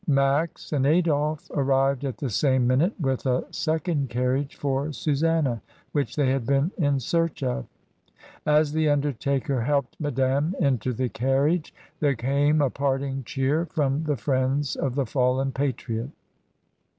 Max and Adolphe arrived at the same minute with a second carriage for Susanna, which they had been in search of As the undertaker helped Madame into the carriage, there came a parting cheer from the friends of the fallen patriot.